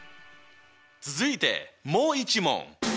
続いてもう一問。